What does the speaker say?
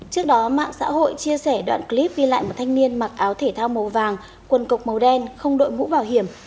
trước đó mạng xã hội chia sẻ đoạn clip ghi lại một thanh niên mặc áo thể thao màu vàng quần cục màu đen không đội mũ bảo hiểm